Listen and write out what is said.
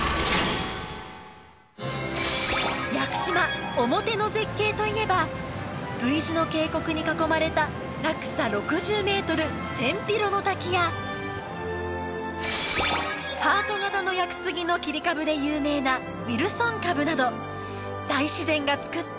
屋久島オモテの絶景といえばＶ字の渓谷に囲まれたハート型の屋久杉の切り株で有名な「ウィルソン株」など大自然が作った